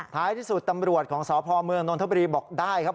ท้ายที่สุดตำรวจของสพเมืองนทบุรีบอกได้ครับ